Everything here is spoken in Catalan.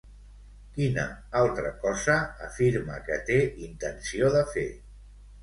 Quina altra cosa afirma que té intenció de fer?